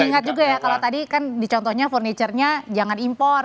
mengingat juga ya kalau tadi kan di contohnya furniture nya jangan import